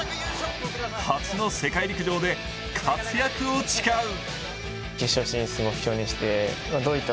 初の世界陸上で活躍を誓う。